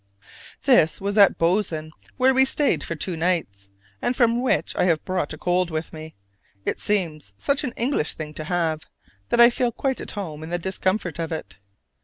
This was at Bozen, where we stayed for two nights, and from which I have brought a cold with me: it seems such an English thing to have, that I feel quite at home in the discomfort of it.